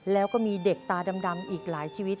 แล้วก็มีเด็กตาดำอีกหลายชีวิต